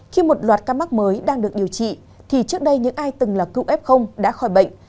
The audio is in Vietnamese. khi một loạt ca mắc mới đang được điều trị thì trước đây những ai từng là cưu ép không đã khỏi bệnh